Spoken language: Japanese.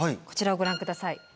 こちらをご覧下さい。